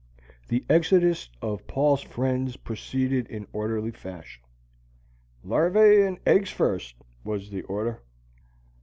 The exodus of Paul's friends proceeded in orderly fashion. "Larvæ and eggs first," was their order.